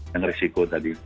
yang risiko tadi